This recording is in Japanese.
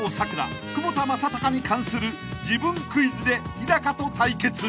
窪田正孝に関する自分クイズでヒダカと対決］